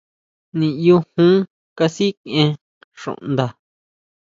Niʼyu jon kasikʼien xuʼnda.